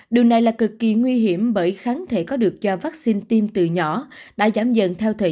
điều này là cực kỳ nguy hiểm bởi kháng thể có được do vaccine tiêm từ nhỏ đã giảm dần theo thời